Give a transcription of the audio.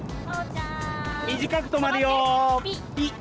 短く止まるよピッ！